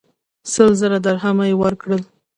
سل زره درهمه یې ورکړل.